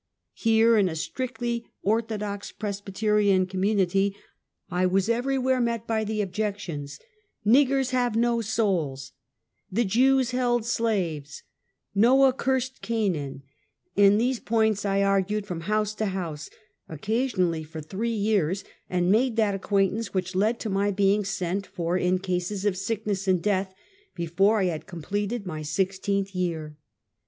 Here, in a strictly orthodox Presbyte rian community, I was everywhere met by the objec tions : "Niggers have no souls," "The Jews held slaves," " IToah cursed Canaan," and these points I argued from house to house, occasionally for three years, and made that acquaintance which led to my being sent for in cases of sickness and death, before I had completed my sixteenth year.